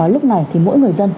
lúc này thì mỗi người dân